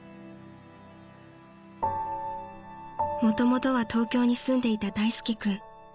［もともとは東京に住んでいた大介君］